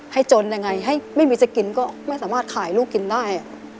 จนยังไงให้ไม่มีจะกินก็ไม่สามารถขายลูกกินได้